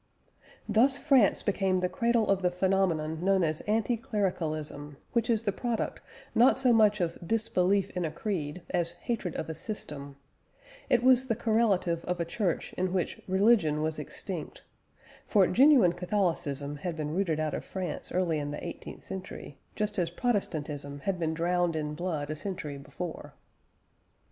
Thus France became the cradle of the phenomenon known as anti clericalism, which is the product not so much of disbelief in a creed as of hatred of a system; it was the correlative of a Church in which religion was extinct, for genuine Catholicism had been rooted out of France early in the eighteenth century, just as Protestantism had been drowned in blood a century before.